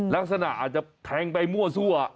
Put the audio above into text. ลักษณะอาจจะแทงไปมั่วซั่ว